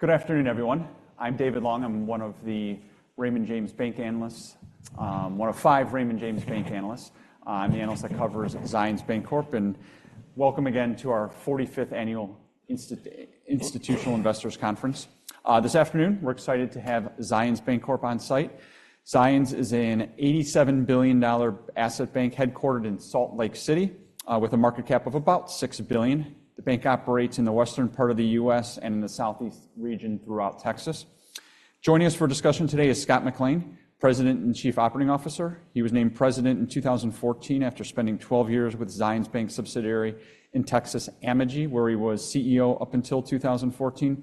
Good afternoon, everyone. I'm David Long. I'm one of the Raymond James bank analysts, one of five Raymond James bank analysts. I'm the analyst that covers Zions Bancorp, and welcome again to our 45th Annual Institutional Investors Conference. This afternoon, we're excited to have Zions Bancorp on site. Zions is an $87 billion asset bank headquartered in Salt Lake City, with a market cap of about $6 billion. The bank operates in the western part of the U.S. and in the southeast region throughout Texas. Joining us for discussion today is Scott McLean, President and Chief Operating Officer. He was named president in 2014 after spending 12 years with Zions Bank subsidiary in Texas, Amegy, where he was CEO up until 2014.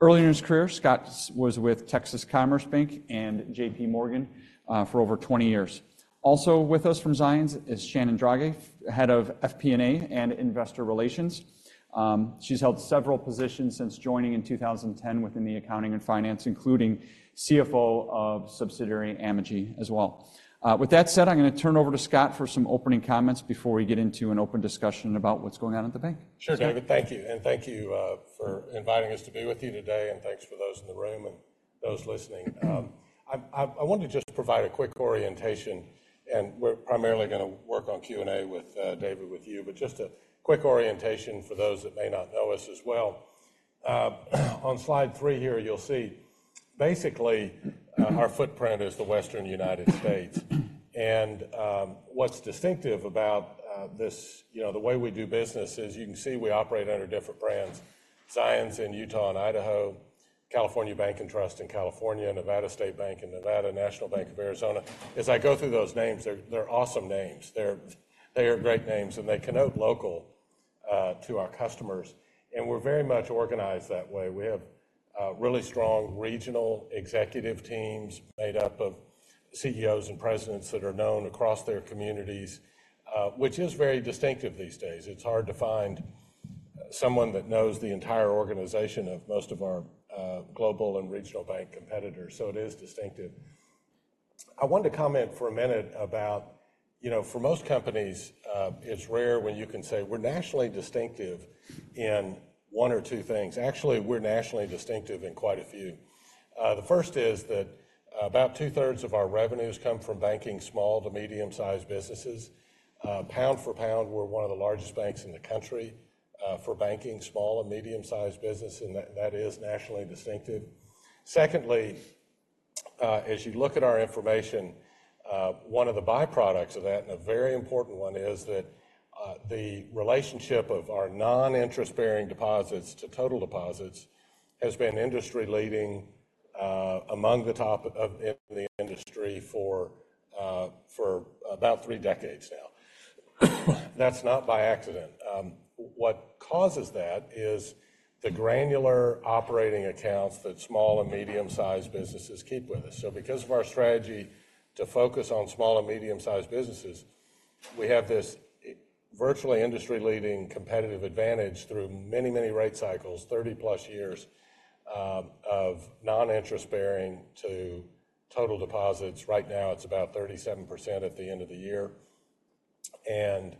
Early in his career, Scott was with Texas Commerce Bank and JPMorgan for over 20 years. Also with us from Zions is Shannon Drage, Head of FP&A and Investor Relations. She's held several positions since joining in 2010 within the accounting and finance, including CFO of subsidiary Amegy as well. With that said, I'm gonna turn over to Scott for some opening comments before we get into an open discussion about what's going on at the bank. Sure, David. Thank you, and thank you for inviting us to be with you today, and thanks for those in the room and those listening. I wanted to just provide a quick orientation, and we're primarily gonna work on Q&A with David, with you. But just a quick orientation for those that may not know us as well. On slide three here, you'll see basically our footprint is the Western United States. And what's distinctive about this, you know, the way we do business is you can see we operate under different brands, Zions in Utah and Idaho, California Bank & Trust in California, Nevada State Bank in Nevada, National Bank of Arizona. As I go through those names, they're awesome names. They are great names, and they connote local to our customers, and we're very much organized that way. We have really strong regional executive teams made up of CEOs and presidents that are known across their communities, which is very distinctive these days. It's hard to find someone that knows the entire organization of most of our global and regional bank competitors, so it is distinctive. I wanted to comment for a minute about, you know, for most companies, it's rare when you can say, "We're nationally distinctive in one or two things." Actually, we're nationally distinctive in quite a few. The first is that about two-thirds of our revenues come from banking small to medium-sized businesses. Pound for pound, we're one of the largest banks in the country for banking small and medium-sized business, and that is nationally distinctive. Secondly, as you look at our information, one of the byproducts of that, and a very important one, is that, the relationship of our Non-Interest-Bearing Deposits to total deposits has been industry-leading, among the top in the industry for about three decades now. That's not by accident. What causes that is the granular operating accounts that small and medium-sized businesses keep with us. So because of our strategy to focus on small and medium-sized businesses, we have this virtually industry-leading competitive advantage through many, many rate cycles, 30+ years, of Non-Interest-Bearing Deposits to total deposits. Right now, it's about 37% at the end of the year, and,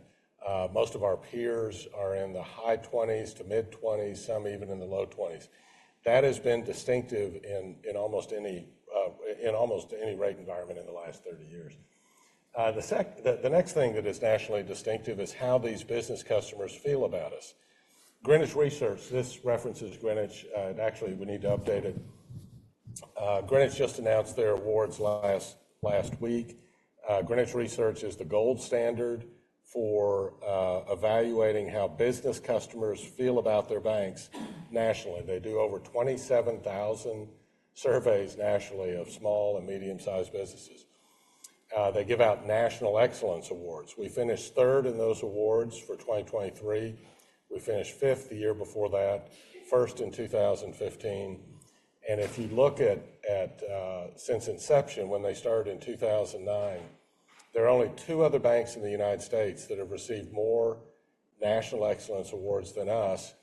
most of our peers are in the high 20s to mid-20s, some even in the low 20s. That has been distinctive in almost any rate environment in the last 30 years. The next thing that is nationally distinctive is how these business customers feel about us. Greenwich Research, this references Greenwich, and actually, we need to update it. Greenwich just announced their awards last week. Greenwich Research is the gold standard for evaluating how business customers feel about their banks nationally. They do over 27,000 surveys nationally of small and medium-sized businesses. They give out National Excellence Awards. We finished third in those awards for 2023. We finished fifth the year before that, first in 2015, and if you look at since inception, when they started in 2009, there are only two other banks in the United States that have received more Greenwich Excellence Awards than us,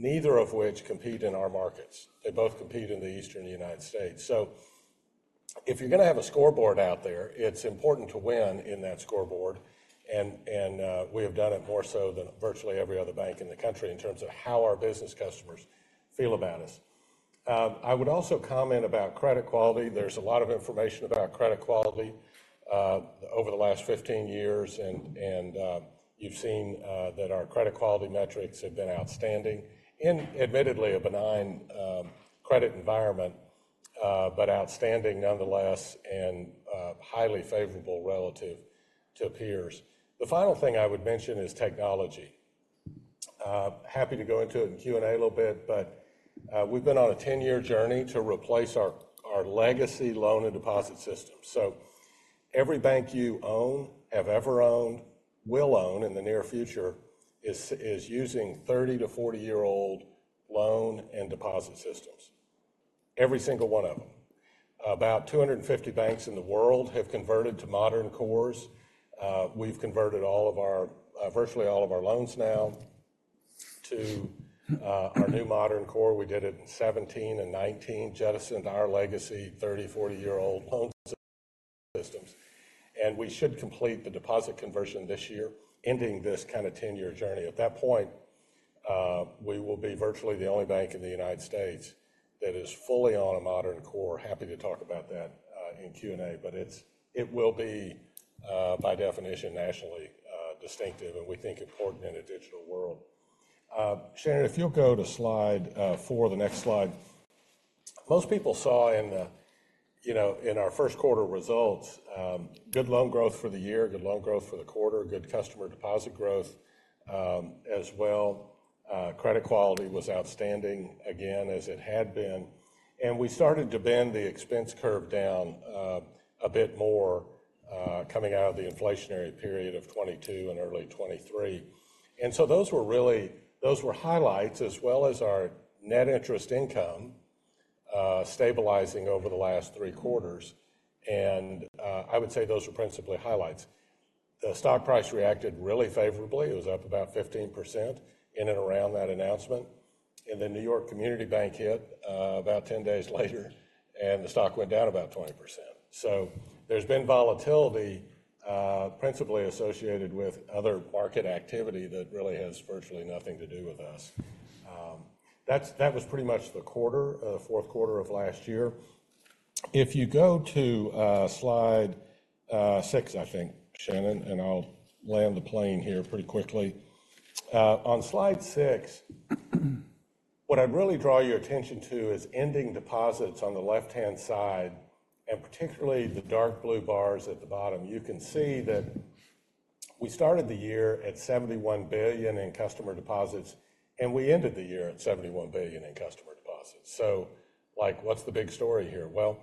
neither of which compete in our markets. They both compete in the Eastern United States. So if you're gonna have a scoreboard out there, it's important to win in that scoreboard, and we have done it more so than virtually every other bank in the country in terms of how our business customers feel about us. I would also comment about credit quality. There's a lot of information about credit quality over the last 15 years, and you've seen that our credit quality metrics have been outstanding in admittedly a benign credit environment, but outstanding nonetheless and highly favorable relative to peers. The final thing I would mention is technology. Happy to go into it in Q&A a little bit, but we've been on a 10-year journey to replace our legacy loan and deposit system. So every bank you own, have ever owned, will own in the near future, is using 30-40-year-old loan and deposit systems. Every single one of them. About 250 banks in the world have converted to modern cores. We've converted all of our, virtually all of our loans now to our new modern core. We did it in 2017 and 2019, jettisoned our legacy 30-40-year-old loan systems, and we should complete the deposit conversion this year, ending this kind of 10-year journey. At that point, we will be virtually the only bank in the United States that is fully on a modern core. Happy to talk about that in Q&A, but it will be, by definition, nationally distinctive, and we think important in a digital world. Shannon, if you'll go to slide 4, the next slide. Most people saw in the, you know, in our first quarter results, good loan growth for the year, good loan growth for the quarter, good customer deposit growth, as well. Credit quality was outstanding, again, as it had been, and we started to bend the expense curve down, a bit more, coming out of the inflationary period of 2022 and early 2023. So those were really, those were highlights, as well as our net interest income stabilizing over the last three quarters, and I would say those were principally highlights. The stock price reacted really favorably. It was up about 15% in and around that announcement, and then New York Community Bank hit, about 10 days later, and the stock went down about 20%. So there's been volatility, principally associated with other market activity that really has virtually nothing to do with us. That's, that was pretty much the quarter, fourth quarter of last year. If you go to slide six, I think, Shannon, and I'll land the plane here pretty quickly. On slide six, what I'd really draw your attention to is ending deposits on the left-hand side, and particularly the dark blue bars at the bottom. You can see that we started the year at $71 billion in customer deposits, and we ended the year at $71 billion in customer deposits. So, like, what's the big story here? Well,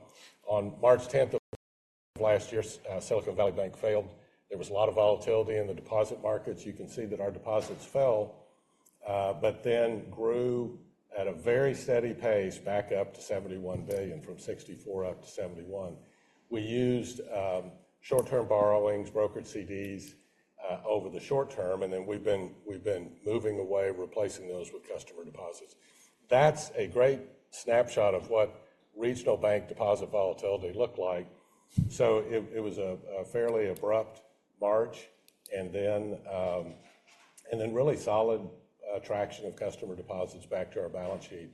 on March tenth of last year, Silicon Valley Bank failed. There was a lot of volatility in the deposit markets. You can see that our deposits fell, but then grew at a very steady pace back up to $71 billion, from $64 billion-$71 billion. We used short-term borrowings, brokered CDs, over the short term, and then we've been moving away, replacing those with customer deposits. That's a great snapshot of what regional bank deposit volatility looked like. So it was a fairly abrupt March, and then really solid traction of customer deposits back to our balance sheet,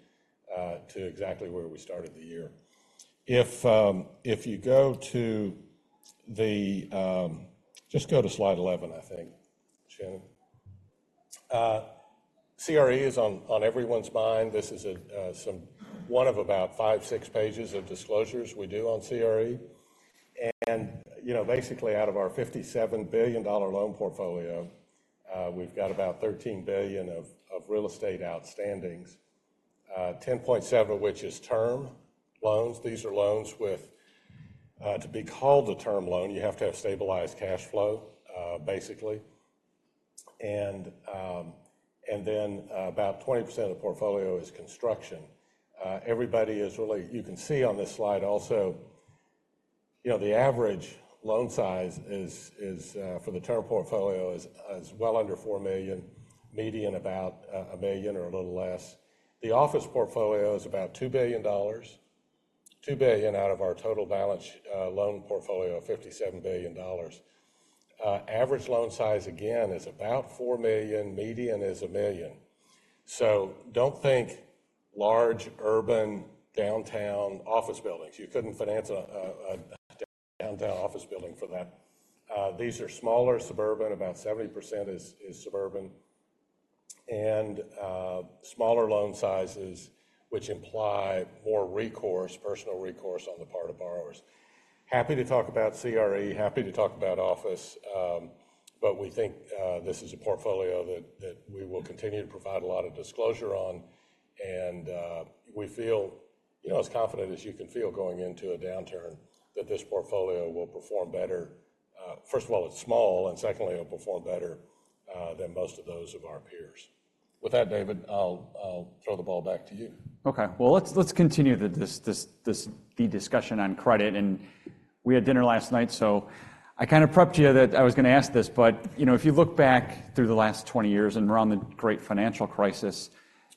to exactly where we started the year. If you go to the. Just go to slide 11, I think, Shannon. CRE is on everyone's mind. This is some, one of about five, six pages of disclosures we do on CRE, and you know, basically, out of our $57 billion loan portfolio, we've got about $13 billion of real estate outstandings, $10.7 billion of which is term loans. These are loans with To be called a term loan, you have to have stabilized cash flow, basically, and then about 20% of the portfolio is construction. You can see on this slide also, you know, the average loan size is for the term portfolio well under $4 million, median about a $1 million or a little less. The office portfolio is about $2 billion, $2 billion out of our total balance loan portfolio of $57 billion. Average loan size, again, is about $4 million; median is $1 million. So don't think large, urban, downtown office buildings. You couldn't finance a downtown office building for that. These are smaller, suburban, about 70% is suburban, and smaller loan sizes, which imply more recourse, personal recourse on the part of borrowers. Happy to talk about CRE, happy to talk about office, but we think this is a portfolio that we will continue to provide a lot of disclosure on, and we feel, you know, as confident as you can feel going into a downturn, that this portfolio will perform better. First of all, it's small, and secondly, it'll perform better than most of those of our peers. With that, David, I'll throw the ball back to you. Okay, well, let's continue the discussion on credit. We had dinner last night, so I kind of prepped you that I was gonna ask this. But, you know, if you look back through the last 20 years and around the Great Financial Crisis,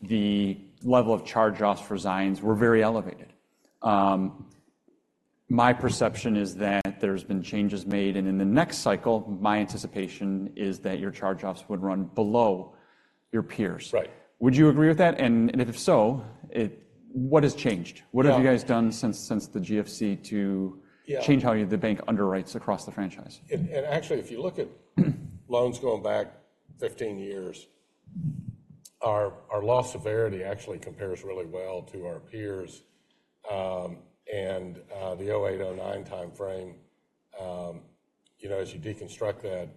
the level of charge-offs for Zions were very elevated. My perception is that there's been changes made, and in the next cycle, my anticipation is that your charge-offs would run below your peers. Right. Would you agree with that? And if so, what has changed? Yeah. What have you guys done since the GFC to- Yeah change how the bank underwrites across the franchise? Actually, if you look at loans going back 15 years, our loss severity actually compares really well to our peers. And the 2008-2009 timeframe, you know, as you deconstruct that,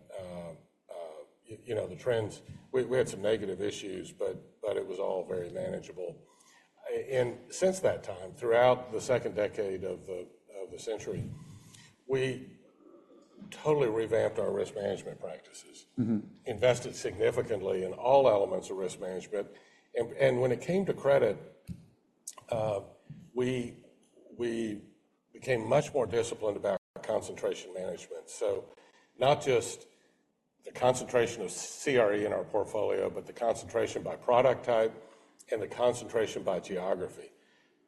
you know, the trends, we had some negative issues, but it was all very manageable. And since that time, throughout the second decade of the century, we totally revamped our risk management practices Mm-hmm invested significantly in all elements of risk management, and when it came to credit, we became much more disciplined about concentration management. So not just the concentration of CRE in our portfolio, but the concentration by product type and the concentration by geography.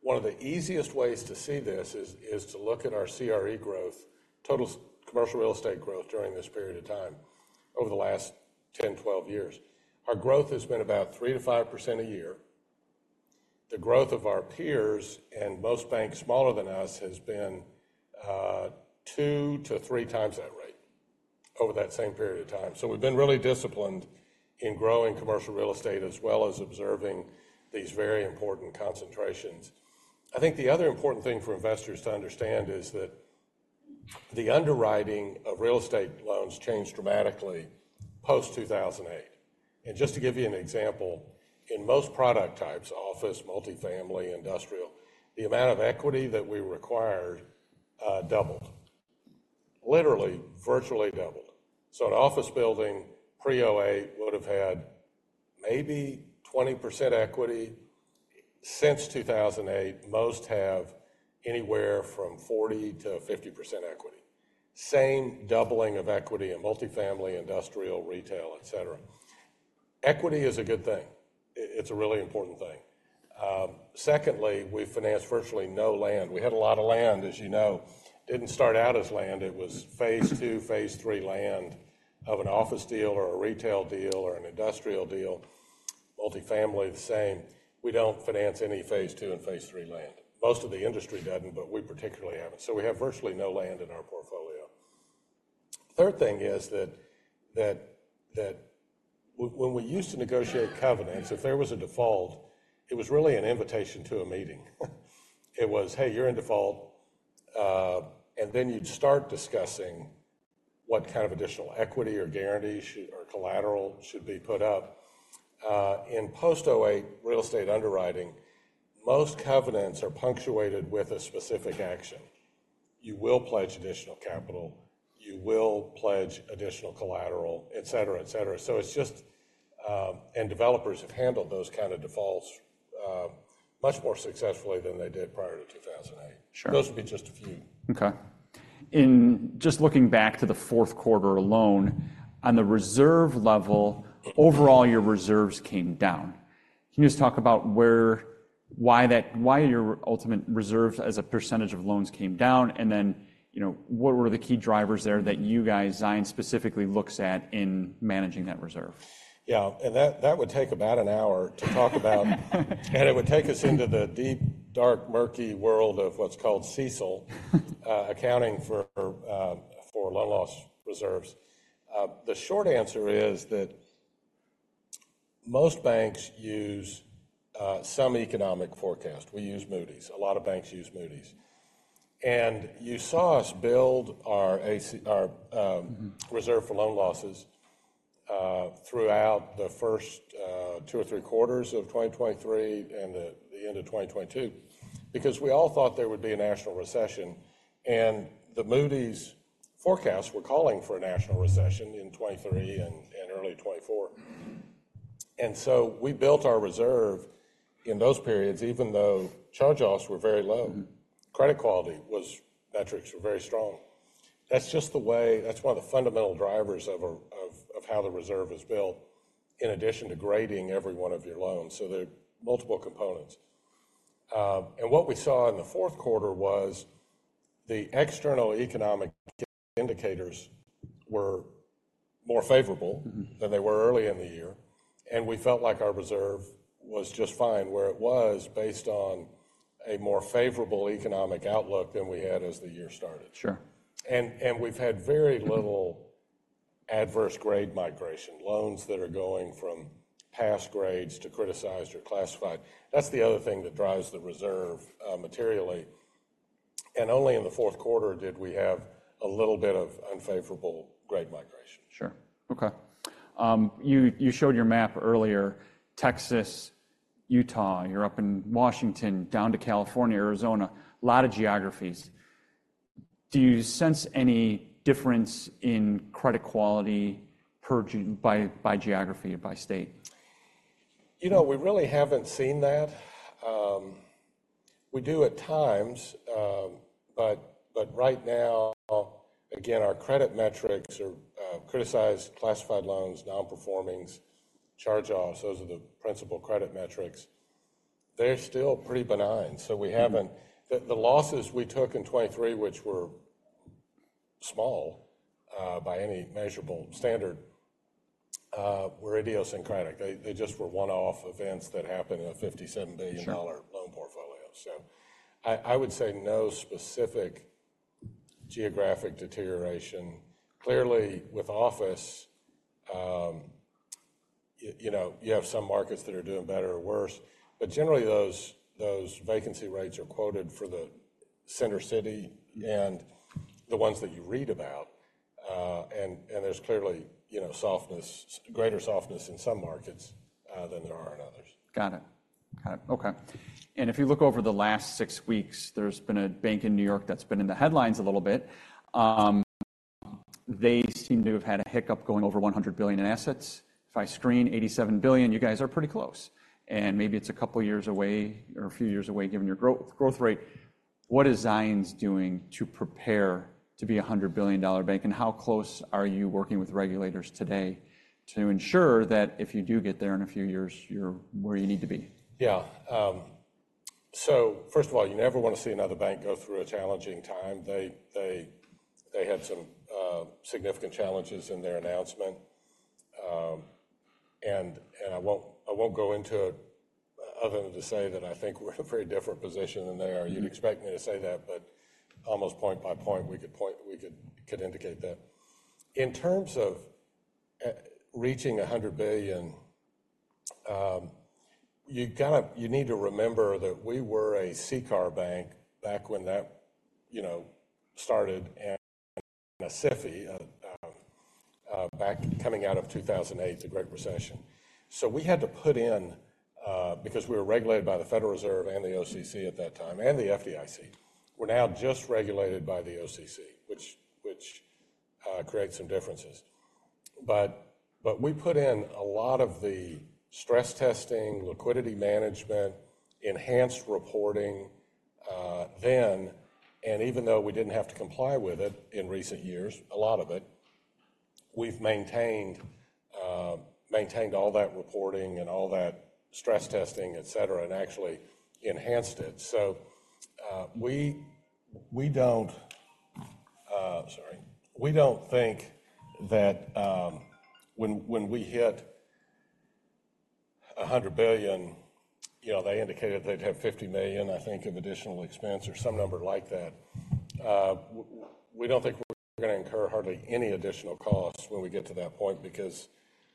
One of the easiest ways to see this is to look at our CRE growth, total commercial real estate growth during this period of time over the last 10-12 years. Our growth has been about 3%-5% a year. The growth of our peers and most banks smaller than us has been two three times that rate over that same period of time. So we've been really disciplined in growing commercial real estate as well as observing these very important concentrations. I think the other important thing for investors to understand is that the underwriting of real estate loans changed dramatically post-2008. Just to give you an example, in most product types: office, multifamily, industrial, the amount of equity that we required doubled. Literally, virtually doubled. So an office building pre-2008 would have had maybe 20% equity. Since 2008, most have anywhere from 40%-50% equity. Same doubling of equity in multifamily, industrial, retail, et cetera. Equity is a good thing. It's a really important thing. Secondly, we finance virtually no land. We had a lot of land, as you know, didn't start out as land. It was phase two, phase three land of an office deal or a retail deal or an industrial deal, multifamily, the same. We don't finance any phase two and phase three land. Most of the industry doesn't, but we particularly haven't, so we have virtually no land in our portfolio. Third thing is that when we used to negotiate covenants, if there was a default, it was really an invitation to a meeting. It was, "Hey, you're in default," and then you'd start discussing what kind of additional equity or guarantees or collateral should be put up. In post-2008 real estate underwriting, most covenants are punctuated with a specific action. You will pledge additional capital, you will pledge additional collateral, et cetera, et cetera. So it's just. Developers have handled those kind of defaults much more successfully than they did prior to 2008. Sure. Those would be just a few. Okay. In just looking back to the fourth quarter alone, on the reserve level, overall, your reserves came down. Can you just talk about why your ultimate reserves as a percentage of loans came down, and then, you know, what were the key drivers there that you guys, Zions, specifically looks at in managing that reserve? Yeah, and that would take about an hour to talk about, and it would take us into the deep, dark, murky world of what's called CECL accounting for loan loss reserves. The short answer is that most banks use some economic forecast. We use Moody's. A lot of banks use Moody's. And you saw us build our ACL, our Mm-hmm reserve for loan losses throughout the first two or three quarters of 2023 and the end of 2022, because we all thought there would be a national recession, and the Moody's forecasts were calling for a national recession in 2023 and early 2024. And so we built our reserve in those periods, even though charge-offs were very low. Mm-hmm. Credit quality metrics were very strong. That's one of the fundamental drivers of how the reserve is built, in addition to grading every one of your loans, so there are multiple components. What we saw in the fourth quarter was the external economic indicators were more favorable Mm-hmm than they were early in the year, and we felt like our reserve was just fine where it was based on a more favorable economic outlook than we had as the year started. Sure. And we've had very little adverse grade migration, loans that are going from past grades to criticized or classified. That's the other thing that drives the reserve materially, and only in the fourth quarter did we have a little bit of unfavorable grade migration. Sure. Okay. You, you showed your map earlier, Texas, Utah, you're up in Washington, down to California, Arizona, a lot of geographies. Do you sense any difference in credit quality by, by geography or by state? You know, we really haven't seen that. We do at times, but, but right now, again, our credit metrics are criticized, classified loans, nonperformings, charge-offs, those are the principal credit metrics. They're still pretty benign, so we haven't Mm-hmm the losses we took in 2023, which were small, by any measurable standard, were idiosyncratic. They just were one-off events that happened in a 57 billion Sure dollar loan portfolio. So I would say no specific geographic deterioration. Clearly, with office, you know, you have some markets that are doing better or worse, but generally those vacancy rates are quoted for the center city Mm and the ones that you read about, and there's clearly, you know, softness, greater softness in some markets than there are in others. Got it. Got it. Okay, if you look over the last six weeks, there's been a bank in New York that's been in the headlines a little bit. They seem to have had a hiccup going over $100 billion in assets. If I screen $87 billion, you guys are pretty close, and maybe it's a couple of years away or a few years away, given your growth rate. What is Zions doing to prepare to be a $100 billion bank, and how close are you working with regulators today to ensure that if you do get there in a few years, you're where you need to be? Yeah. So first of all, you never want to see another bank go through a challenging time. They had some significant challenges in their announcement. And I won't go into it, other than to say that I think we're in a very different position than they are. You'd expect me to say that, but almost point by point, we could point we could indicate that. In terms of reaching $100 billion, you gotta you need to remember that we were a CCAR bank back when that, you know, started and a SIFI back, coming out of 2008, the Great Recession. So we had to put in, because we were regulated by the Federal Reserve and the OCC at that time, and the FDIC. We're now just regulated by the OCC, which creates some differences. We put in a lot of the stress testing, liquidity management, enhanced reporting, then and even though we didn't have to comply with it in recent years, a lot of it, we've maintained all that reporting and all that stress testing, et cetera, and actually enhanced it. We don't think that when we hit $100 billion, you know, they indicated they'd have $50 million, I think, of additional expense or some number like that. We don't think we're gonna incur hardly any additional costs when we get to that point because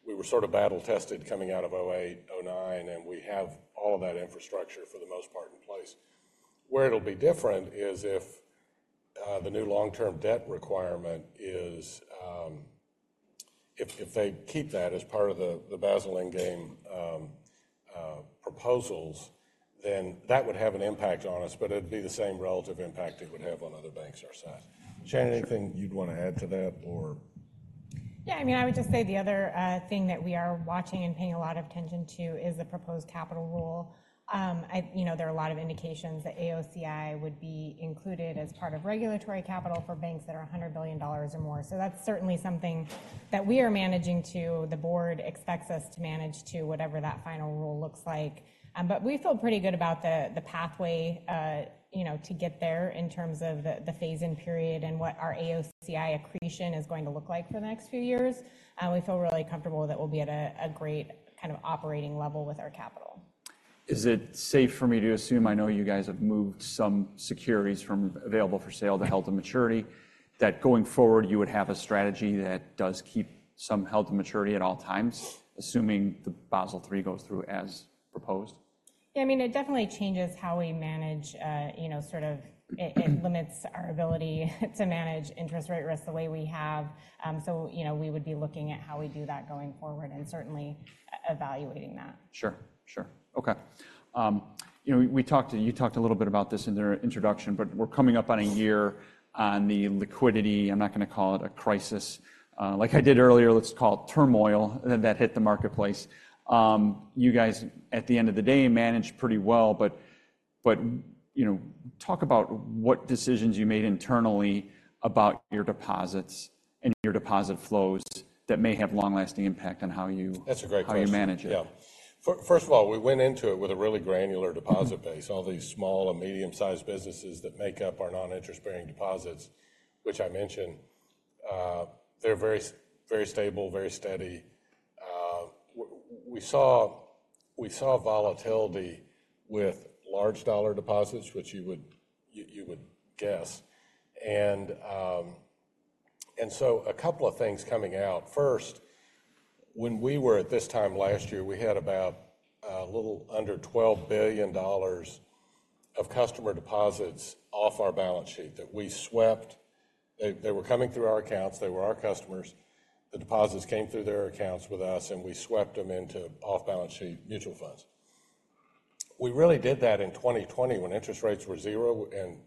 we were sort of battle tested coming out of 2008, 2009, and we have all that infrastructure, for the most part, in place. Where it'll be different is if the new long-term debt requirement is if they keep that as part of the Basel endgame proposals, then that would have an impact on us, but it'd be the same relative impact it would have on other banks our size. Shannon, anything you'd want to add to that, or? Yeah, I mean, I would just say the other thing that we are watching and paying a lot of attention to is the proposed capital rule. You know, there are a lot of indications that AOCI would be included as part of regulatory capital for banks that are $100 billion or more. So that's certainly something that we are managing to, the board expects us to manage to, whatever that final rule looks like. But we feel pretty good about the pathway, you know, to get there in terms of the phase-in period and what our AOCI accretion is going to look like for the next few years. And we feel really comfortable that we'll be at a great kind of operating level with our capital. Is it safe for me to assume, I know you guys have moved some securities from available for sale to held to maturity, that going forward, you would have a strategy that does keep some held to maturity at all times, assuming the Basel III goes through as proposed? Yeah, I mean, it definitely changes how we manage, you know, it limits our ability to manage interest rate risks the way we have. So, you know, we would be looking at how we do that going forward and certainly evaluating that. Sure, sure. Okay. You know, we talked, you talked a little bit about this in the introduction, but we're coming up on a year on the liquidity. I'm not gonna call it a crisis like I did earlier. Let's call it turmoil that hit the marketplace. You guys, at the end of the day, managed pretty well, but you know, talk about what decisions you made internally about your deposits and your deposit flows that may have long-lasting impact on how you That's a great question. how you manage it. Yeah. First of all, we went into it with a really granular deposit base. All these small and medium-sized businesses that make up our non-interest-bearing deposits, which I mentioned, they're very, very stable, very steady. We saw, we saw volatility with large dollar deposits, which you would, you, you would guess. And so a couple of things coming out. First, when we were at this time last year, we had about a little under $12 billion of customer deposits off our balance sheet that we swept. They, they were coming through our accounts, they were our customers. The deposits came through their accounts with us, and we swept them into off-balance sheet mutual funds. We really did that in 2020 when interest rates were zero and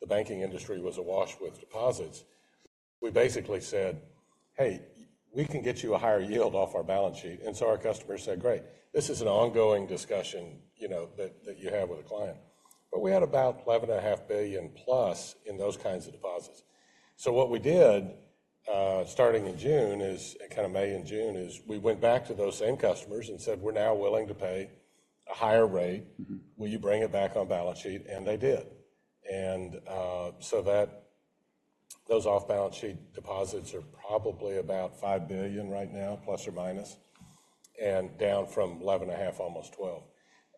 the banking industry was awash with deposits. We basically said, "Hey, we can get you a higher yield off our balance sheet." And so our customers said, "Great." This is an ongoing discussion, you know, that you have with a client. But we had about $11.5 billion plus in those kinds of deposits. So what we did, starting in June, kind of May and June, we went back to those same customers and said, "We're now willing to pay a higher rate. Mm-hmm. Will you bring it back on balance sheet?" And they did. And, so that, those off-balance sheet deposits are probably about $5 billion right now, plus or minus, and down from $11.5 billion, almost $12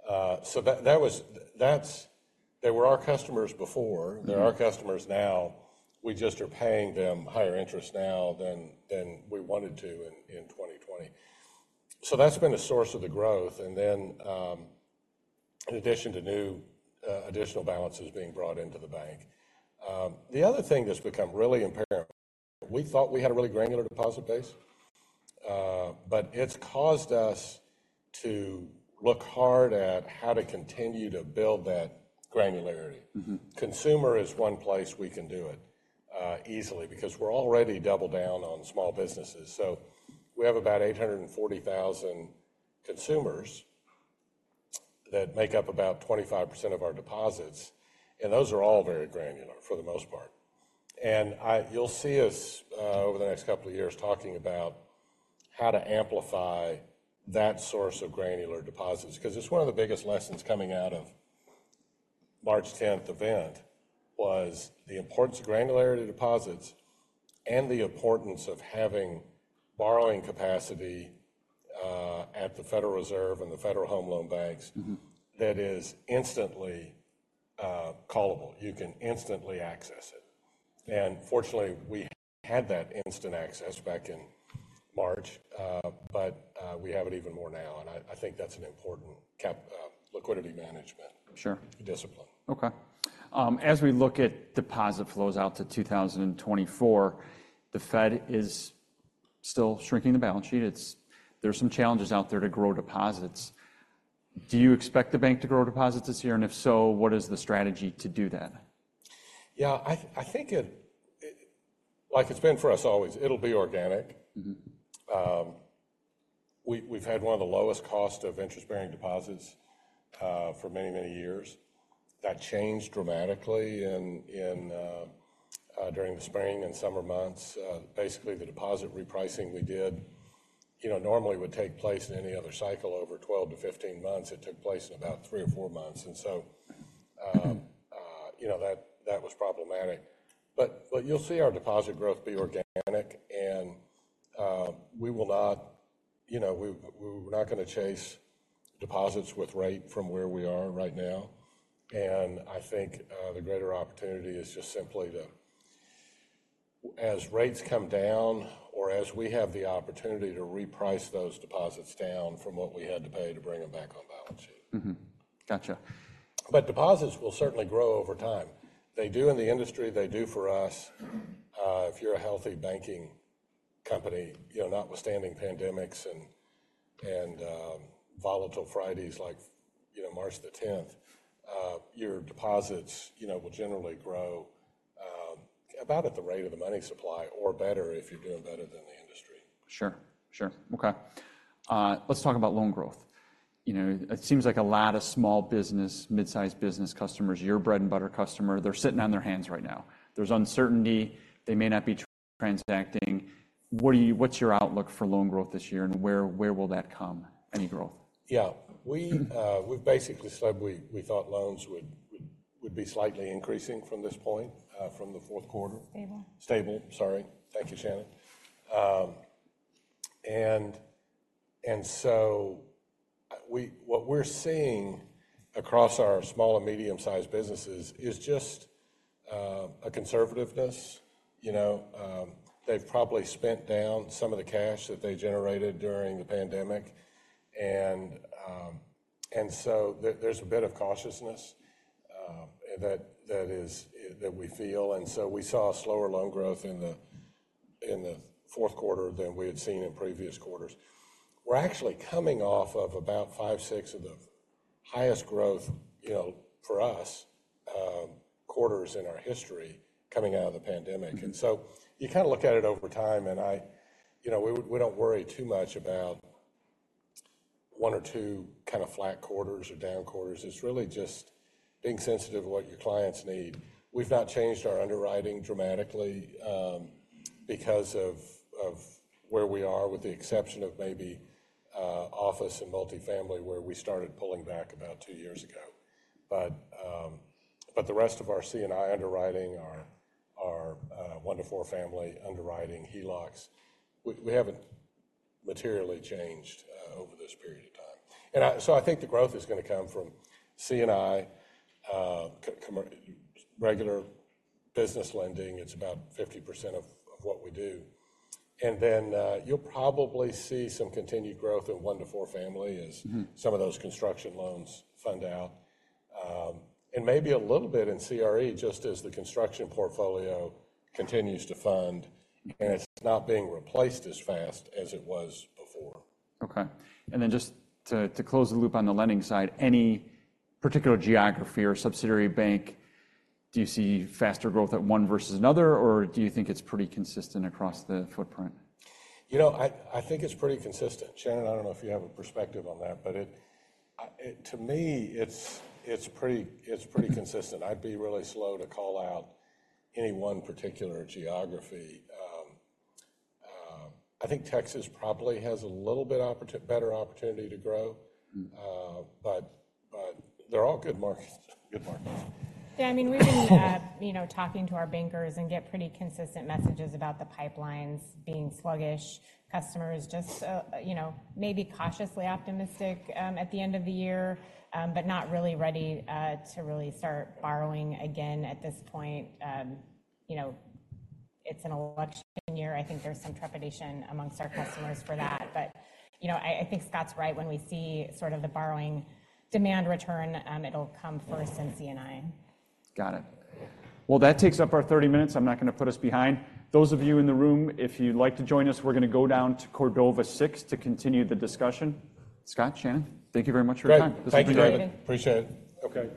billion. So that, that was, that's. They were our customers before. Mm-hmm. They're our customers now. We just are paying them higher interest now than we wanted to in 2020. So that's been the source of the growth, and then, in addition to new additional balances being brought into the bank. The other thing that's become really apparent, we thought we had a really granular deposit base, but it's caused us to look hard at how to continue to build that granularity. Mm-hmm. Consumer is one place we can do it easily because we're already double down on small businesses. So we have about 840,000 consumers that make up about 25% of our deposits, and those are all very granular, for the most part. And I-- you'll see us over the next couple of years talking about how to amplify that source of granular deposits, 'cause it's one of the biggest lessons coming out of March tenth event, was the importance of granular deposits and the importance of having borrowing capacity at the Federal Reserve and the Federal Home Loan Banks Mm-hmm. that is instantly callable. You can instantly access it, and fortunately, we had that instant access back in March, but we have it even more now, and I think that's an important cap, liquidity management- Sure. discipline. Okay. As we look at deposit flows out to 2024, the Fed is still shrinking the balance sheet. There's some challenges out there to grow deposits. Do you expect the bank to grow deposits this year, and if so, what is the strategy to do that? Yeah, I think it, like it's been for us always, it'll be organic. Mm-hmm. We've had one of the lowest cost of interest-bearing deposits for many, many years. That changed dramatically in during the spring and summer months. Basically, the deposit repricing we did, you know, normally would take place in any other cycle over 12-15 months. It took place in about three or four months, and so, you know, that, that was problematic. But you'll see our deposit growth be organic, and we will not. You know, we, we're not gonna chase deposits with rate from where we are right now, and I think the greater opportunity is just simply to, as rates come down or as we have the opportunity to reprice those deposits down from what we had to pay to bring them back on balance sheet. Mm-hmm. Gotcha. But deposits will certainly grow over time. They do in the industry, they do for us. If you're a healthy banking company, you know, notwithstanding pandemics and volatile Fridays like, you know, March the tenth, your deposits, you know, will generally grow about at the rate of the money supply or better if you're doing better than the industry. Sure, sure. Okay. Let's talk about loan growth. You know, it seems like a lot of small business, mid-sized business customers, your bread-and-butter customer, they're sitting on their hands right now. There's uncertainty. They may not be transacting. What's your outlook for loan growth this year, and where will that come, any growth? Yeah. We've basically said we thought loans would be slightly increasing from this point, from the fourth quarter. Stable. Stable. Sorry. Thank you, Shannon. And so what we're seeing across our small and medium-sized businesses is just a conservativeness. You know, they've probably spent down some of the cash that they generated during the pandemic, and so there's a bit of cautiousness that we feel, and so we saw a slower loan growth in the fourth quarter than we had seen in previous quarters. We're actually coming off of about 5 or 6 of the highest growth, you know, for us, quarters in our history coming out of the pandemic. Mm-hmm. And so you kind of look at it over time, and you know, we don't worry too much about 1 or 2 kind of flat quarters or down quarters. It's really just being sensitive to what your clients need. We've not changed our underwriting dramatically because of where we are, with the exception of maybe office and multifamily, where we started pulling back about two years ago. But the rest of our C&I underwriting, our 1-4 family underwriting, HELOCs, we haven't materially changed over this period of time. And so I think the growth is gonna come from C&I, regular business lending. It's about 50% of what we do, and then you'll probably see some continued growth in 1-4 family as Mm-hmm some of those construction loans fund out, and maybe a little bit in CRE, just as the construction portfolio continues to fund, and it's not being replaced as fast as it was before. Okay, and then just to close the loop on the lending side, any particular geography or subsidiary bank, do you see faster growth at one versus another, or do you think it's pretty consistent across the footprint? You know, I think it's pretty consistent. Shannon, I don't know if you have a perspective on that, but to me, it's pretty consistent. I'd be really slow to call out any one particular geography. I think Texas probably has a little bit better opportunity to grow Mm But they're all good markets. Good markets. Yeah, I mean, we've been, you know, talking to our bankers and getting pretty consistent messages about the pipelines being sluggish. Customers just, you know, maybe cautiously optimistic, at the end of the year, but not really ready, to really start borrowing again at this point. You know, it's an election year. I think there's some trepidation among our customers for that, but, you know, I, I think Scott's right. When we see sort of the borrowing demand return, it'll come first in C&I. Got it. Well, that takes up our 30 minutes. I'm not gonna put us behind. Those of you in the room, if you'd like to join us, we're gonna go down to Cordova VI to continue the discussion. Scott, Shannon, thank you very much for your time. Great. Thank you, David. Thanks, David. Appreciate it. Okay.